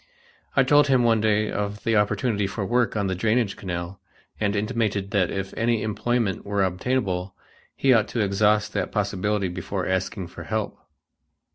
I told him one day of the opportunity for work on the drainage canal and intimated that if any employment were obtainable, he ought to exhaust that possibility before asking for help.